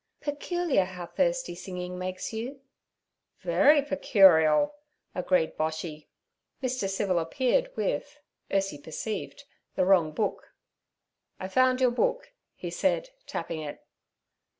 'Peculiar how thirsty singing makes you.' 'Very pecoorial' agreed Boshy. Mr. Civil appeared with, Ursie perceived, the wrong book. 'I found your book' he said, tapping it.